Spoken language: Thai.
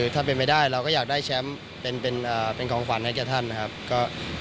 ถ้าเป็นไปได้เราก็อยากได้แชมป์เป็นของขวัญให้แก่ท่านนะครับ